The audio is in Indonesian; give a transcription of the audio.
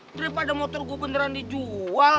daripada motor gue beneran dijual